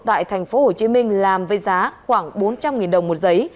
tại thành phố hồ chí minh làm với giá khoảng bốn trăm linh đồng một giấy